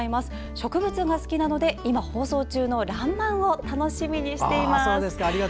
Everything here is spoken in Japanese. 植物が好きなので今、放送中の「らんまん」を楽しみにしています。